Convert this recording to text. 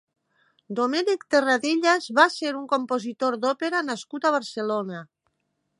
Domènec Terradellas va ser un compositor d'òpera nascut a Barcelona.